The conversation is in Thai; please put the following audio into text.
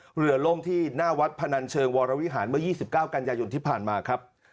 เรือล่มที่หน้าวัดพนันเชิงวรวิหารเมื่อ๒๙กันยายนที่ผ่านมาครับ